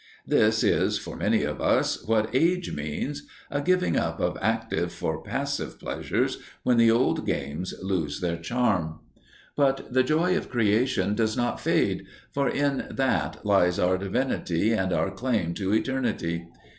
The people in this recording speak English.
This is, for many of us, what age means a giving up of active for passive pleasures when the old games lose their charm. But the joy of creation does not fade, for in that lies our divinity and our claim to eternity.